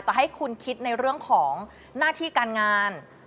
แต่ให้คุณคิดในเรื่องของหน้าที่การงาน